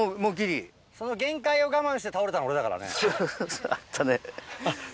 その限界を我慢して倒れたの、あったね。